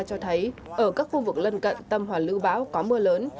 ở các khu vực lân cận tâm hoàn lưu báo có mưa lớn